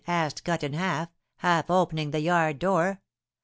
asked Cut in Half, half opening the yard door.